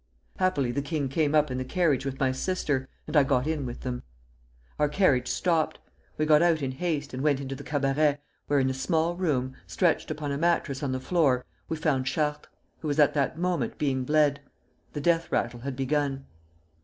Happily the king came up in the carriage with my sister, and I got in with them. Our carriage stopped. We got out in haste, and went into the cabaret, where in a small room, stretched upon a mattress on the floor, we found Chartres, who was at that moment being bled.... The death rattle had begun.